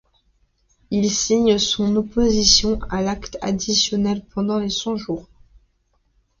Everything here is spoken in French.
Il signe son opposition à l'acte additionnel pendant les Cent-Jours.